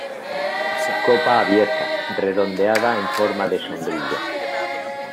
Copa abierta, redondeada en forma de sombrilla.